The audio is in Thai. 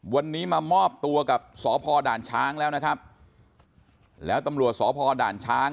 วันนี้มามอบตัวกับสพด่านช้างแล้วนะครับแล้วตำรวจสพด่านช้าง